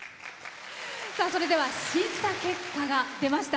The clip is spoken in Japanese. それでは審査結果が出ました。